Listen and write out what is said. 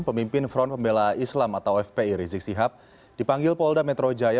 pemimpin front pembela islam atau fpi rizik sihab dipanggil polda metro jaya